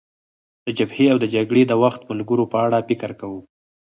د جبهې او د جګړې د وخت ملګرو په اړه فکر کوم.